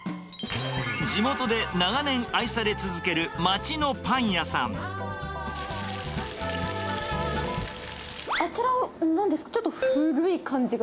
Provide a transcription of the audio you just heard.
地元で長年愛され続ける町のあちらはなんですか？